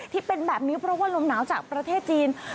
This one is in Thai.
ที่เป็นแบบนี้เพราะว่าลมหนาวจากประเทศจีน